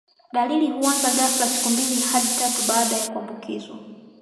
Dalili huanza ghafla siku mbili hadi tatu baada ya kuambukizwa